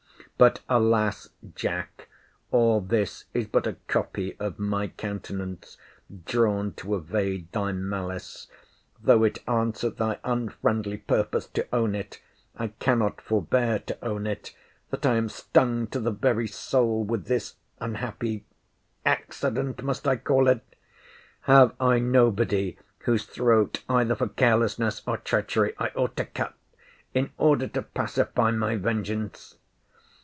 But, alas! Jack, all this is but a copy of my countenance, drawn to evade thy malice!—Though it answer thy unfriendly purpose to own it, I cannot forbear to own it, that I am stung to the very soul with this unhappy—accident, must I call it!—Have I nobody, whose throat, either for carelessness or treachery, I ought to cut, in order to pacify my vengeance?